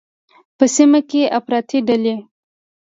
په سیمه کې افراطي ډلې